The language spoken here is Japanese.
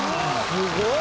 すごい。